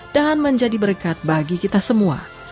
menjadi berkat bagi kita semua